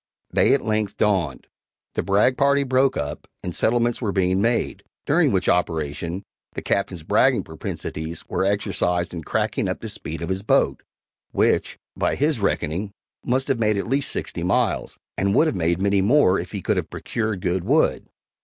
Day at length dawned. The brag party broke up and settlements were being made, during which operation the Captain's bragging propensities were exercised in cracking up the speed of his boat, which, by his reckoning, must have made at least sixty miles, and would have made many more if he could have procured good wood.